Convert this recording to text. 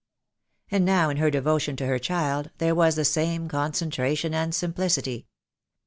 And now in her devotion to her child there was the same concentration and simplicity.